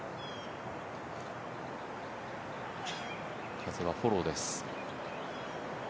風はフォローです。